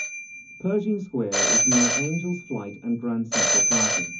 Pershing Square is near Angels Flight and Grand Central parking.